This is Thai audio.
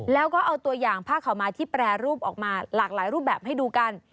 แล้วก็เอาตัวอย่างผ้าขาวไม้ที่แปรรูปออกมาหลากหลายรูปแบบให้ดูกัน